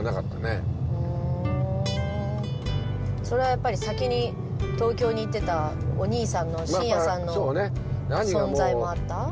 それはやっぱり先に東京に行ってたお兄さんの伸也さんの存在もあった？